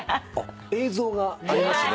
映像がありますね。